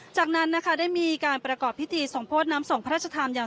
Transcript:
จากนั้นนะคะได้มีการประกอบพิธีสมโพธิน้ำส่งพระราชทานอย่าง